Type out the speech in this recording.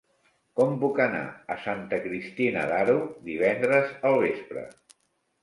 Com puc anar a Santa Cristina d'Aro divendres al vespre?